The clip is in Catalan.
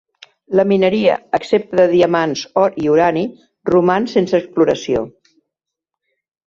La mineria, excepte de diamants, or i urani, roman sense exploració.